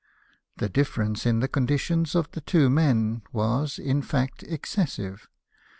The difference in the conditions of the two men was, in fact, excessive.